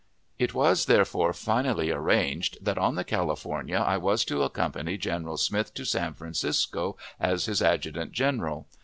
It was, therefore, finally arranged that, on the California, I was to accompany General Smith to San Francisco as his adjutant general.